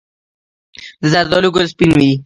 د زردالو ګل سپین وي؟